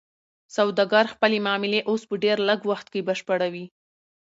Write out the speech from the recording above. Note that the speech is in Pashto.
سوداګر خپلې معاملې اوس په ډیر لږ وخت کې بشپړوي.